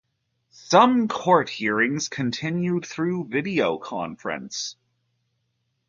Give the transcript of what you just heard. Some court hearings continued through videoconference.